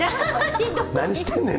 何してんねん！